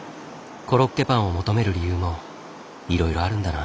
コロッケパンを求める理由もいろいろあるんだな。